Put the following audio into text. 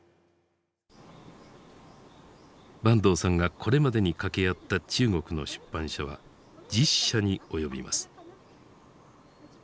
坂東さんがこれまでに掛け合った中国の出版社は１０社に及びます。